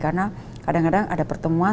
karena kadang kadang ada pertemuan